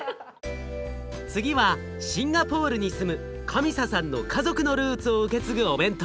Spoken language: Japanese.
次はシンガポールに住むカミサさんの家族のルーツを受け継ぐお弁当。